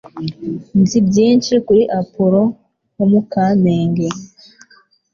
Nzi byinshi kuruta Apollo, wo mu kamenge